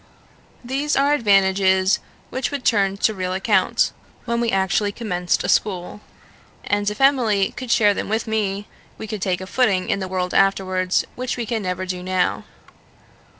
"These are advantages which would turn to real account, when we actually commenced a school; and, if Emily could share them with me, we could take a footing in the world afterwards which we can never do now.